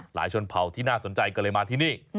ชนเผ่าที่น่าสนใจก็เลยมาที่นี่